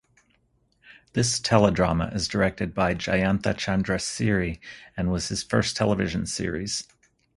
This teledrama is directed by Jayantha Chandrasiri and was his first television series.